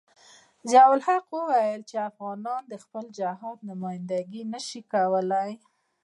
ضیاء الحق ویل چې افغانان د خپل جهاد نمايندګي نشي کولای.